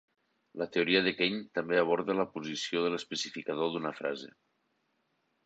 La teoria de Kayne també aborda la posició de l'especificador d'una frase.